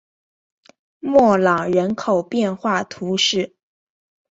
莫朗人口变化图示